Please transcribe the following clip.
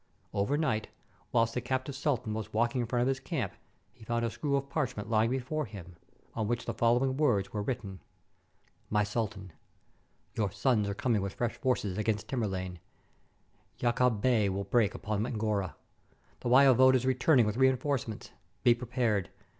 Overnight, whilst the captive sultan was walking in front of his camp, he found a screw of parchment lying before him, on which the following words were written :— "My Sultan, — Your sons are coming with fresh forces against Tamerlane; Yakab Bey will break upon Angora. The Waiwode is returning with reinforcements. Be prepared.